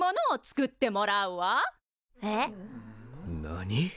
えっ？何？